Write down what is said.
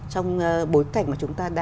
trong bối cảnh mà chúng ta có thể